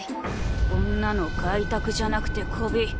こんなの開拓じゃなくて媚び。